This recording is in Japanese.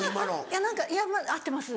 いや何か合ってます。